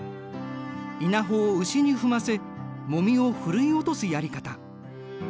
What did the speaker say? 稲穂を牛に踏ませモミをふるい落とすやり方。